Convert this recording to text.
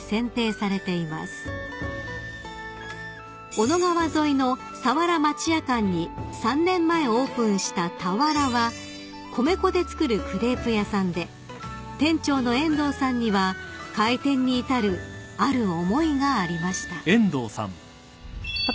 ［小野川沿いのさわら町屋館に３年前オープンしたＴＡＷＡＲＡは米粉で作るクレープ屋さんで店長の遠藤さんには開店に至るある思いがありました］